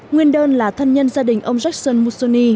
nguyên đơn là thân nhân gia đình ông jackson mousoni